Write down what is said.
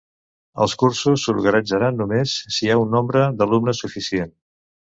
Els cursos s'organitzaran només si hi ha un nombre d'alumnes suficient.